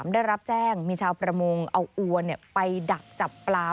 ได้รับแจ้งมีชาวประมงเอาอวนไปดักจับปลา